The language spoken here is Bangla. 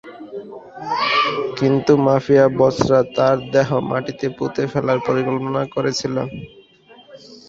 কিন্তু মাফিয়া বসরা তার দেহ মাটিতে পুঁতে দেওয়ার পরিকল্পনা করছিল।